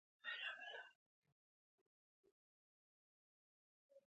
او ايوانوف ماته وساته.